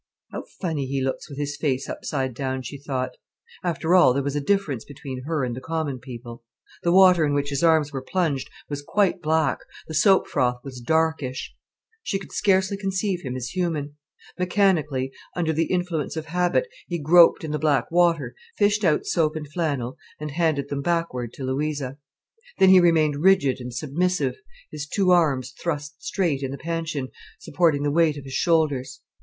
"How funny he looks with his face upside down," she thought. After all, there was a difference between her and the common people. The water in which his arms were plunged was quite black, the soap froth was darkish. She could scarcely conceive him as human. Mechanically, under the influence of habit, he groped in the black water, fished out soap and flannel, and handed them backward to Louisa. Then he remained rigid and submissive, his two arms thrust straight in the panchion, supporting the weight of his shoulders.